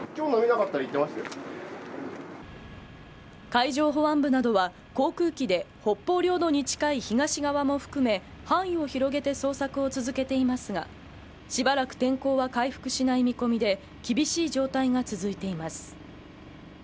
海上保安部などは航空機で北方領土に近い東側も含め範囲を広げて捜索を続けていますがしばらく天候は回復しない見込みで厳しい状態が続いています。